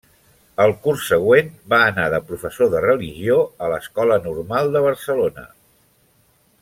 El curs següent, va anar de professor de religió a l'Escola Normal de Barcelona.